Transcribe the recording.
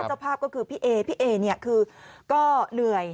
เจ้าภาพก็คือพี่เอพี่เอเนี่ยคือก็เหนื่อย